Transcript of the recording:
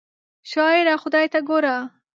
شاعره خدای ته ګوره!